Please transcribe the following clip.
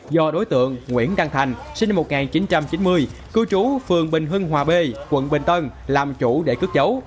do đối tượng nguyễn đăng thành sinh năm một nghìn chín trăm chín mươi cư trú phường bình hưng hòa b quận bình tân làm chủ để cướp chấu